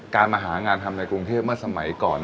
มาหางานทำในกรุงเทพเมื่อสมัยก่อน